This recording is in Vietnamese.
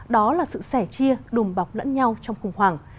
đó là sự sẻ chia đùm bọc lẫn nhau trong khủng hoảng